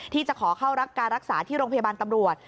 ที่จะขอเข้ารับการรักษาที่โรงพยาบาลตำรวจ